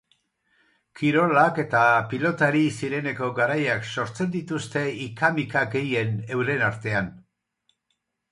Kirolak eta pilotari zireneko garaiak sortzen dituzte ika-mika gehien euren artean.